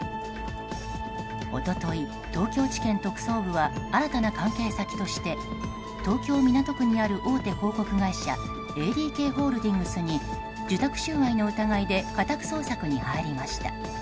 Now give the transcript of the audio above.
一昨日、東京地検特捜部は新たな関係先として東京・港区にある大手広告会社ＡＤＫホールディングスに受託収賄の疑いで家宅捜索に入りました。